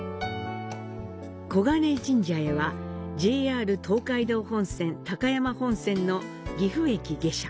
金神社へは、ＪＲ東海道本線高山本線の岐阜駅下車。